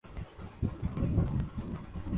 جوں جوں وقت گزرے گا۔